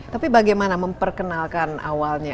tapi bagaimana memperkenalkan awalnya